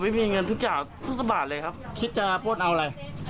ไม่มีเงินทุกจ่าทุกสักบาทเลยครับคิดจะปล้นเอาอะไร